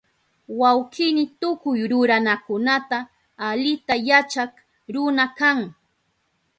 Wawkini tukuy ruranakunata alita yachak runa kan